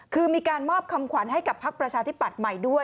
คือมีการมอบคำขวัญให้กับพักประชาธิปัตย์ใหม่ด้วย